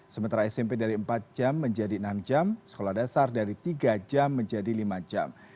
sementara smp dari empat jam menjadi enam jam sekolah dasar dari tiga jam menjadi lima jam